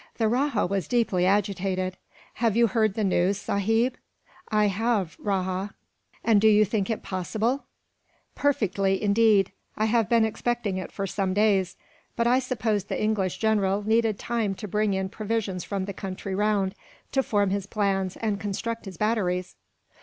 The rajah was deeply agitated. "Have you heard the news, sahib?" "I have, Rajah." "And do you think it possible?" "Perfectly; indeed, I have been expecting it for some days, but I supposed the English general needed time to bring in provisions from the country round, to form his plans, and construct his batteries."